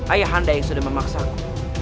ayah anda yang sudah memaksaku